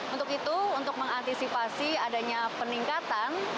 untuk itu untuk mengantisipasi adanya peningkatan